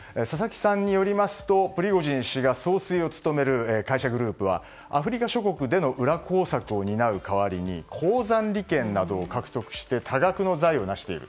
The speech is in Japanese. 佐々木さんによりますとプリゴジン氏が総帥を務める会社グループはアフリカ諸国での裏工作を担う代わりに鉱山利権などを獲得して多額の財を成している。